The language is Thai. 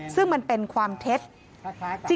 ซึ่งมันเป็นความเท็จ